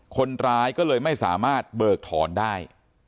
คนร้ายก็เลยไม่สามารถเบิกถอนได้